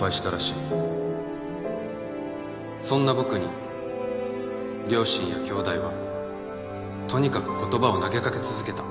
「そんな僕に両親やきょうだいはとにかく言葉を投げかけ続けた」